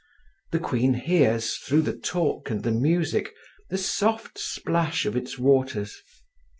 The queen hears, through the talk and the music, the soft splash of its waters.